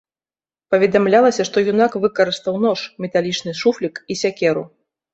Паведамлялася, што юнак выкарыстаў нож, металічны шуфлік і сякеру.